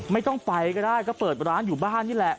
ไม่ต้องไปก็ได้ก็เปิดร้านอยู่บ้านนี่แหละ